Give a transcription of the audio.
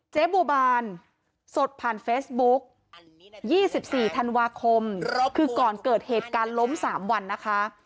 เจ๊บัวบานสดผ่านเฟซบุ๊ก๒๔ธันวาคมคือก่อนเกิดเหตุการณ์ล้ม๓วันนะคะ